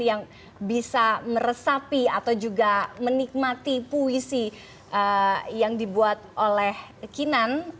yang bisa meresapi atau juga menikmati puisi yang dibuat oleh kinan